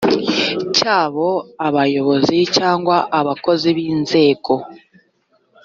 cyabo abayobozi cyangwa abakozi b inzego